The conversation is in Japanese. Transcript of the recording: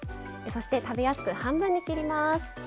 そして食べやすく半分に切ります。